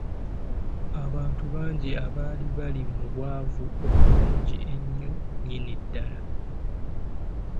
Abantu bangi abaali bali mu bwavu obungi ennyo nnyini ddala.